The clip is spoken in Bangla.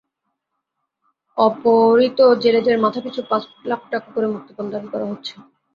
অপহূত জেলেদের মাথাপিছু পাঁচ লাখ টাকা করে মুক্তিপণ দাবি করা হচ্ছে।